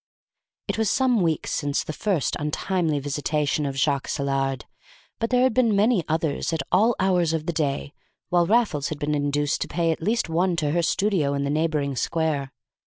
It was some weeks since the first untimely visitation of Jacques Saillard, but there had been many others at all hours of the day, while Raffles had been induced to pay at least one to her studio in the neighboring square.